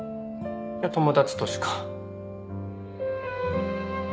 友達としか。